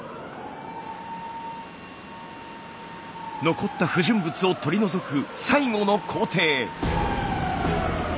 残った不純物を取り除く最後の工程。